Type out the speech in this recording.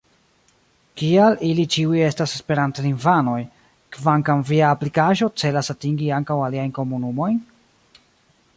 Kial ili ĉiuj estas esperantlingvanoj, kvankam via aplikaĵo celas atingi ankaŭ aliajn komunumojn?